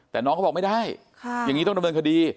แต่น้องเขาบอกไม่ได้อย่างนี้ต้องดำเนินคดี